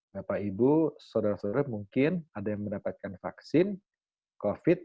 bapak ibu saudara saudara mungkin ada yang mendapatkan vaksin covid